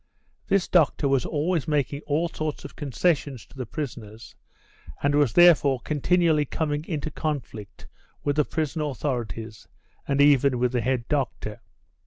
This doctor was always making all sorts of concessions to the prisoners, and was therefore continually coming into conflict with the prison authorities and even with the head doctor.